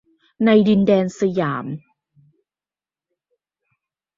ในดินแดนสยาม